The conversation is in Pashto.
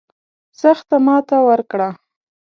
سخته ماته ورکړه.